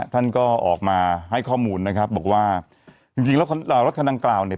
ท่านก็ออกมาให้ข้อมูลนะครับบอกว่าจริงจริงแล้วรถคันดังกล่าวเนี่ย